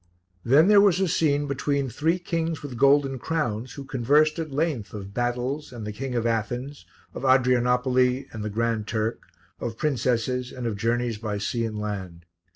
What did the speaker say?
Then there was a scene between three kings with golden crowns who conversed at length of battles and the King of Athens, of Adrianopoli and the Grand Turk, of princesses and of journeys by sea and land.